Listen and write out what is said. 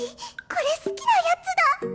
これ好きなやつだ。